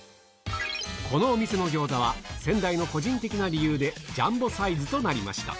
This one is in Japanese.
このお店の餃子は、先代の個人的な理由でジャンボサイズとなりました。